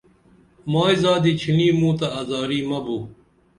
مائی زادی چِھنی موں تہ ازاری مہ بُو